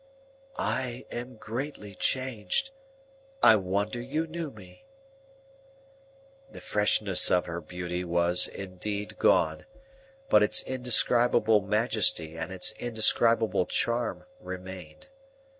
"I am greatly changed. I wonder you know me." The freshness of her beauty was indeed gone, but its indescribable majesty and its indescribable charm remained.